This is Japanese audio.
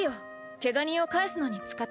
ケガ人を帰すのに使ってくれ。